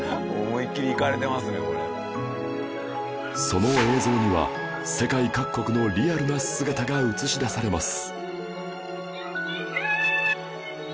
その映像には世界各国のリアルな姿が映し出されます